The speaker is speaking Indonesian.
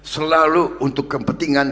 selalu untuk kepentingan